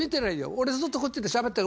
俺、ずっとこっちでしゃべってる。